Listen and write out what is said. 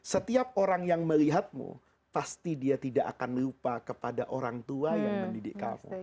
setiap orang yang melihatmu pasti dia tidak akan lupa kepada orang tua yang mendidik kamu